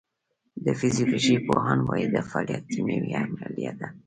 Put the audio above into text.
د فزیولوژۍ پوهان وایی دا فعالیت کیمیاوي عملیه ده